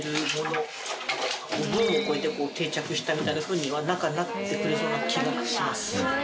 したみたいなふうにはなってくれそうな気がします。